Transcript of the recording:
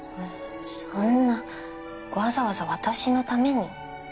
そんなわざわざ私のために。